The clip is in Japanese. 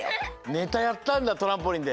ネタやったんだトランポリンで。